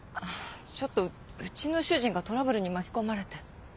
ちょっとうちの主人がトラブルに巻き込まれて。